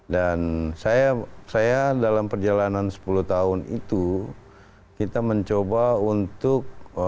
dan saya dalam perjalanan sepuluh tahun itu kita mencoba untuk